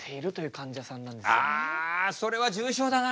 あそれは重症だな。